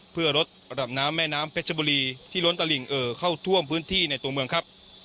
เพื่อลดระดับน้ำแม่น้ำเพชรบุรีที่ล้นตะหลิ่งเอ่อเข้าท่วมพื้นที่ในตัวเมืองครับ